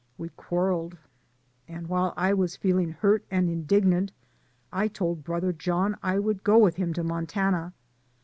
We quarreled, and while I was feeling hurt and indignant, I told Brother John I would go with him to Montana.